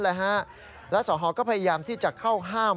แล้วสอหอก็พยายามที่จะเข้าห้าม